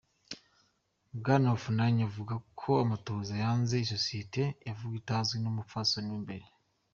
Bwana Afunanya avuga ko "amatohoza yasanze isosiyete yavugwa itazwi n'umupfasoni wa mbere.